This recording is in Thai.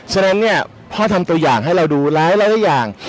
ฉะนั้นเนี่ยพ่อทำตัวอย่างให้เราดูและให้เราได้อย่าง